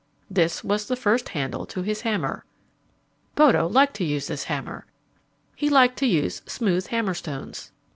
This was the first handle to his hammer. Bodo liked to use this hammer. He liked to use smooth hammer stones.